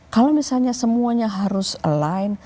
kalau misalnya semuanya harus aline